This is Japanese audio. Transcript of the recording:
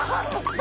何？